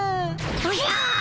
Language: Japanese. おじゃ！